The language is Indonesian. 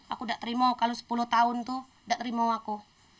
aku tidak terima kalau sepuluh tahun itu tidak terima aku